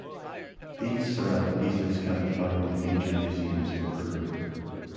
These ceramic pieces can be found in major museums in Peru.